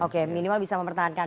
oke minimal bisa mempertahankan